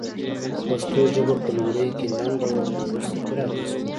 پښتو ژبه په لومړیو کې لنډه وه خو وروسته پراخه شوه